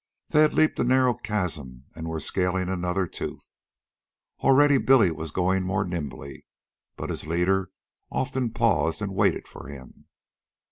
They had leaped a narrow chasm and were scaling another tooth. Already Billy was going more nimbly, but his leader often paused and waited for him.